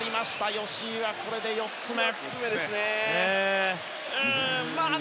吉井はこれで４つ目。